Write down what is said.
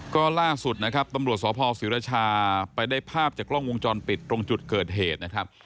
ก็ล่าสุดนะครับตำรวจสพศิรชาไปได้ภาพจากกล้องวงจรปิดตรงจุดเกิดเหตุนะครับ